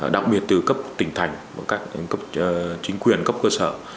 đặc biệt từ cấp tỉnh thành cấp chính quyền cấp cơ sở